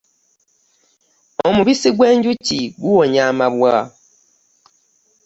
Omubisi gw'enjuki guwonya amabwa.